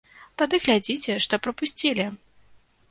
Тады глядзіце, што прапусцілі!